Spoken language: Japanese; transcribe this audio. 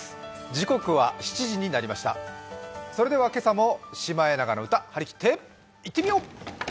それでは今朝も「シマエナガの歌」張り切っていってみよう！